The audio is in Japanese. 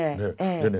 でね。